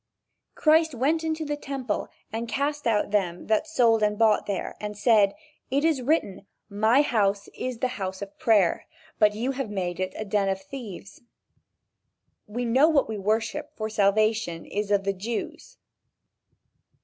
Christ went into the temple and cast out them that sold and bought there, and said: "It is written, my house is the house of prayer: but ye have made it a den of thieves." "We know what we worship for salvation is of the Jews."